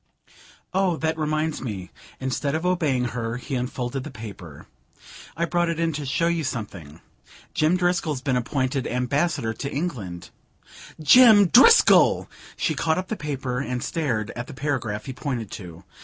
"Oh, that reminds me " instead of obeying her he unfolded the paper. "I brought it in to show you something. Jim Driscoll's been appointed Ambassador to England." "Jim Driscoll !" She caught up the paper and stared at the paragraph he pointed to.